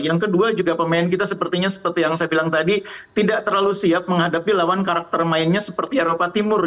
yang kedua juga pemain kita sepertinya seperti yang saya bilang tadi tidak terlalu siap menghadapi lawan karakter mainnya seperti eropa timur